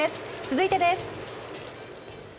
続いてです。